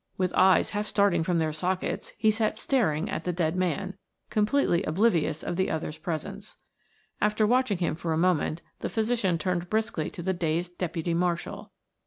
With eyes half starting from their sockets he sat staring at the dead man, completely oblivious of the others' presence. After watching him for a moment the physician turned briskly to the dazed deputy marshal.